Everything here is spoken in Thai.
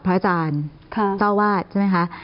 พระอาจารย์เจ้าวาดใช่ไหมคะ